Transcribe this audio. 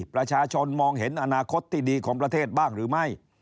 ประชาชนมองเห็นอนาคตที่ดีของประเทศบ้างหรือไม่